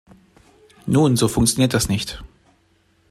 Nun, so funktioniert das nicht.